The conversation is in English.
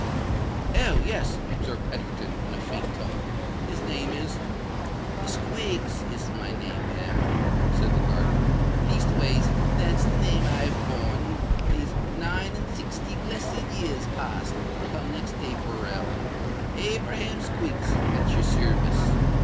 "Oh! yes," observed Egerton, in a faint tone, "his name is——" "Squiggs is my name, ma'am," said the gardener: "leastways, that's the name I've bore these nine and sixty blessed years past, come next Aperil—Abraham Squiggs at your service.